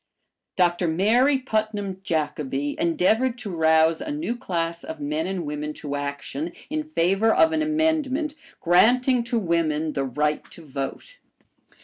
Dr. Mary Putnam Jacobi endeavored to rouse a new class of men and women to action in favor of an amendment granting to women the right to vote.